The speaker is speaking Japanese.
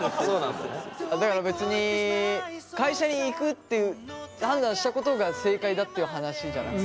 だから別に会社に行くっていう判断したことが正解だっていう話じゃない。